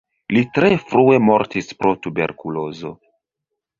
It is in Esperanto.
Li tre frue mortis pro tuberkulozo.